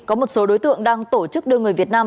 có một số đối tượng đang tổ chức đưa người việt nam